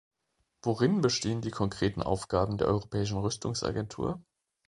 Worin bestehen die konkreten Aufgaben der Europäischen Rüstungsagentur?